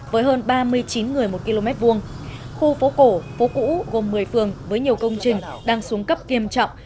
với hơn ba mươi chín người một km hai khu phố cổ phố cũ gồm một mươi phường với nhiều công trình đang xuống cấp nghiêm trọng